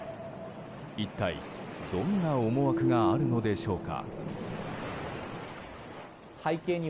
一体どんな思惑があるのでしょうか。